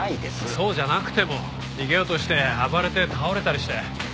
そうじゃなくても逃げようとして暴れて倒れたりしてあるだろ血が出ちゃう事。